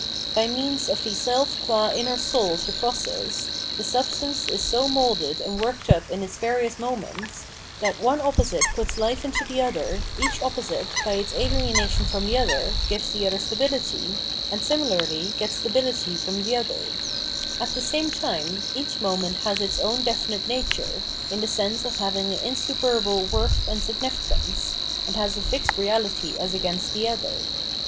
By means of the self qua inner soul of the process, the substance is so moulded and worked up in its various moments, * Cp. Hume^s view of personal identity,'' Treatise, pt. IV^ c. 6. VOL. IL — G 498 Phenomenology of Mind that one opposite puts life into the other, each opposite, by its alienation from the other, gives the other stability, and similarly gets stability from the other. At the same time, each moment has its own defimte nature, in the sense of having an insuperable worth and signifi cance; and has a fixed reahty as against the other.